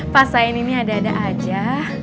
pak sain ini ada ada aja